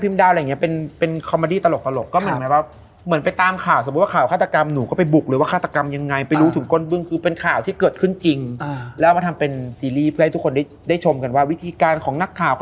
มันก็เหมือนเขาเรียกอะไรคำว่าขมตา